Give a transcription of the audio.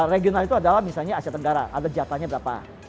regional itu adalah misalnya asia tenggara ada jatahnya berapa